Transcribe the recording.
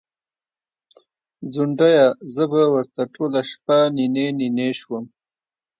ځونډیه! زه به ورته ټوله شپه نینې نینې شوم